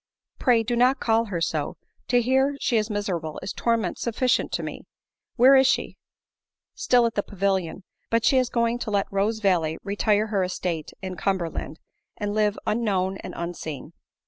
"Pray do not call her so; to hear she is miserable is torment sufficient to me ; where is she ?"" Still at the Pavilion ; but she is going to let Rose valley, retire to her estate in Cumberland, and live un known and unseen."